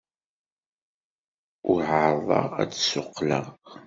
La ɛerrḍeɣ ad d-ssuqqleɣ.